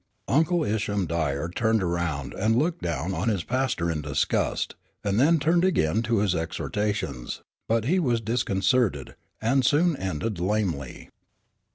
Uncle Isham Dyer turned around and looked down on his pastor in disgust, and then turned again to his exhortations, but he was disconcerted, and soon ended lamely.